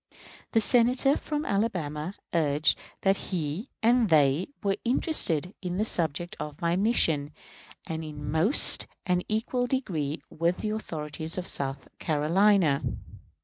The Senator from Alabama urged that he and they were interested in the subject of my mission in almost an equal degree with the authorities of South Carolina.